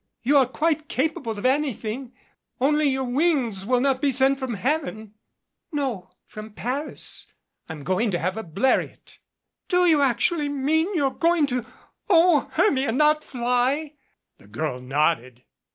You are quite capable of anything )nly your wings will not be sent from Heaven "No from Paris. I'm going to have a Bleriot." "Do you actually mean that you're going to O Hermia! Not fly /" The girl nodded.